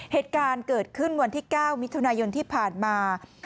เหตุการณ์เกิดขึ้นวันที่๙มิถุนายนที่ผ่านมา